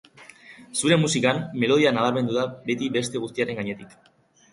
Zure musikan, melodia nabarmendu da beti beste guztiaren gainetik.